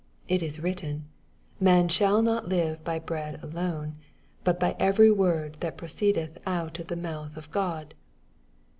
It is written, Man shall not live by oread alone, but by every word that pro ceedeth out of the mouth of God.